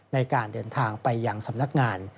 ในการเดินทางไปยังสำนักงาน